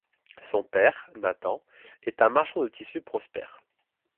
Son père, Nathan, est un marchand de tissu prospère.